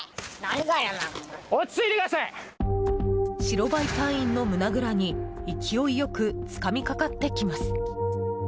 白バイ隊員の胸ぐらに勢いよくつかみかかってきます。